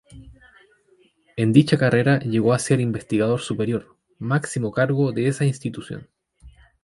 En dicha carrera llegó a ser Investigador Superior, máximo cargo de esa institución.